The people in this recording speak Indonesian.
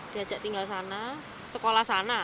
diajak tinggal sana sekolah sana